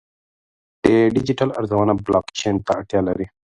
د ډیجیټل ارزونه بلاکچین ته اړتیا لري.